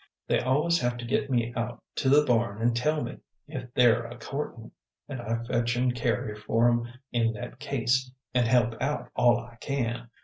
They always have to git me out to the barn an' tell me, if they're a courtin', and I fetch an' carry for 'em in that case, an' help out all I can.